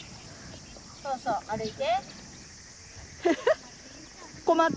そうそう歩いて。